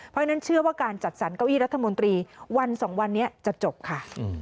เพราะฉะนั้นเชื่อว่าการจัดสรรเก้าอี้รัฐมนตรีวัน๒วันนี้จะจบค่ะ